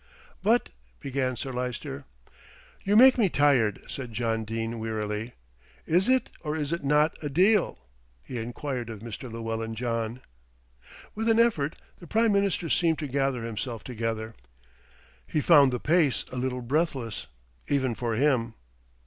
"But " began Sir Lyster. "You make me tired," said John Dene wearily. "Is it or is it not a deal?" he enquired of Mr. Llewellyn John. With an effort the Prime Minister seemed to gather himself together. He found the pace a little breathless, even for him.